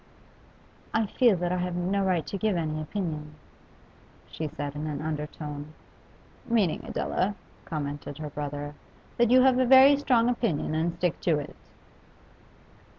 'I feel that I have no right to give any opinion,' she said in an undertone. 'Meaning, Adela,' commented her brother, 'that you have a very strong opinion and stick to it.